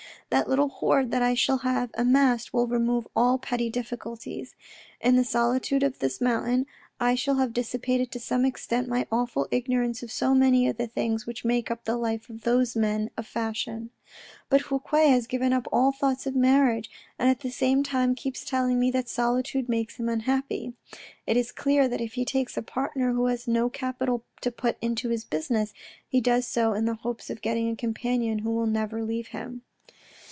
The little hoard that I shall have amassed will remove all petty difficulties. In the solitude of this mountain I shall have dissipated to some extent my awful ignorance of so many of the things which make up the life of all those men of fashion. But Fouque has given up all thoughts of marriage, a<nd at the same time keeps telling me that solitude makes him unhappy. It is clear that if he takes a partner who has no capital to put into his business, he does so in the hopes of getting a companion who will never leave him."